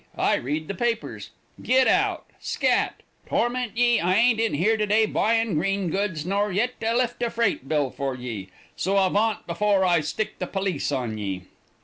I read the papers. Git out. Scat. Torment ye, I ain't in here to day buyin' green goods, nor yet to lift a freight bill for ye. So avaunt before I sick the police on ye.'